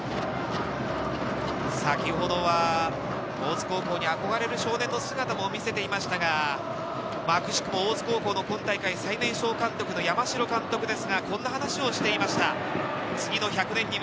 先ほどは大津高校に憧れる少年の姿も見せていましたが、奇しくも大津高校の今大会、最年少監督の山城監督ですが、こんな話をしていました。